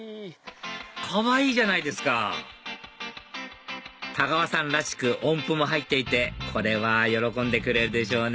かわいいじゃないですか太川さんらしく音符も入っていてこれは喜んでくれるでしょうね